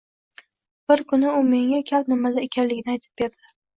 Bir kuni u menga gap nimada ekanligini aytib berdi.